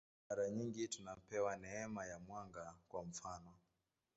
Mara nyingi tunapewa neema ya mwanga, kwa mfanof.